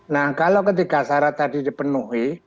nah kalau ketiga syarat tadi dipenuhi